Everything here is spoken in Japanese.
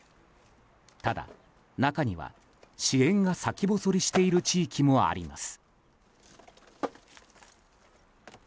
ただ中には支援が先細りしている地域もあります。